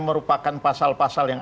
merupakan pasal pasal yang